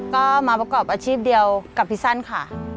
ก็มาประกอบอาชีพเดียวกับพี่สั้นค่ะ